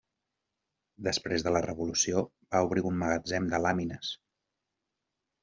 Després de la Revolució va obrir un magatzem de làmines.